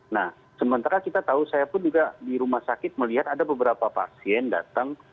nah sementara kita tahu saya pun juga di rumah sakit melihat ada beberapa pasien datang